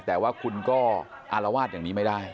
แต่ว่าคุณก็อารวาสอย่างนี้ไม่ได้